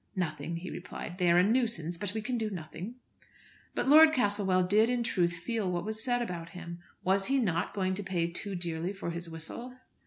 "Nothing," he replied. "They are a nuisance, but we can do nothing." But Lord Castlewell did in truth feel what was said about him. Was he not going to pay too dearly for his whistle?